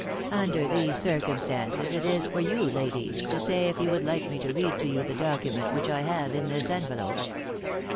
Under these circumstances it is for you, ladies, to say if you would like me to read to you the document which I have in this envelope."